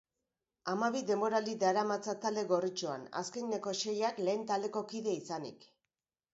Hamabi denboraldi daramatza talde gorritxoan, azkeneko seiak lehen taldeko kide izanik.